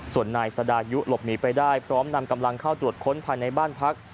ส่วนนายสดายุหลบหนีไปได้พร้อมนำกำลังเข้าตรวจค้นภายในบ้านพัก